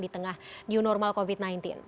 di tengah new normal covid sembilan belas